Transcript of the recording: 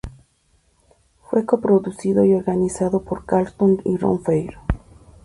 Fue coproducido y organizado por Carlton y Ron Fair.